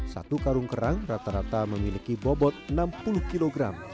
satu karung kerang rata rata memiliki bobot enam puluh kg